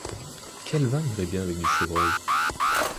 Quel vin irait bien avec du chevreuil ?